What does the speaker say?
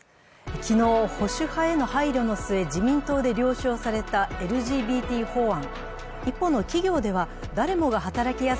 昨日、保守派への配慮の末、自民党で了承されたＬＧＢＴ法案。